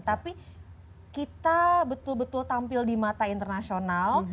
tapi kita betul betul tampil di mata internasional